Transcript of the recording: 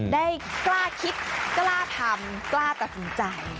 ได้กล้าคิดกล้าทำกล้าตัดสินใจ